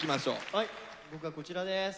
はい僕はこちらです。